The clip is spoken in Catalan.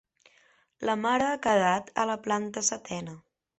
La mare ha quedat a la planta setena.